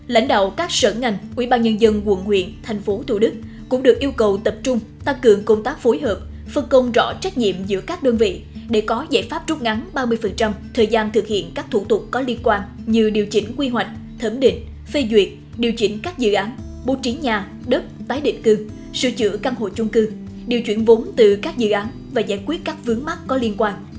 lãnh đạo các sở ngành quỹ ban nhân dân quận nguyện thành phố thủ đức cũng được yêu cầu tập trung tăng cường công tác phối hợp phân công rõ trách nhiệm giữa các đơn vị để có giải pháp trút ngắn ba mươi thời gian thực hiện các thủ tục có liên quan như điều chỉnh quy hoạch thẩm định phê duyệt điều chỉnh các dự án bố trí nhà đất tái định cư sửa chữa căn hộ chung cư điều chuyển vốn từ các dự án và giải quyết các vướng mắt có liên quan